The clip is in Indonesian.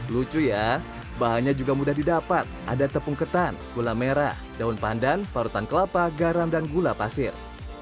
lucu ya bahannya juga mudah didapat ada tepung ketan gula merah daun pandan parutan kelapa garam dan gula pasir